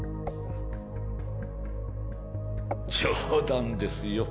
冗談ですよ。